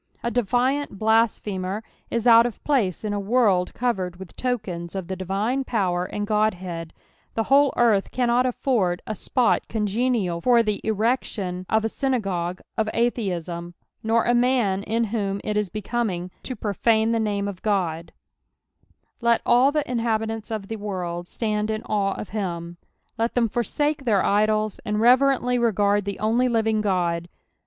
^^defiiiit blasphemtr is out of place in a world covered with tokens of the divilTB power and Godhead : the whole earth cannot nfford a epot congenial far the erection of a synagogue of Atheism, nor a man in whom it is becnming to profane the name of O^S " Let all the inhabitant* of the world itand in aire of Mm." Let them forsflfcr! heir idols, and reverently regard the only living God.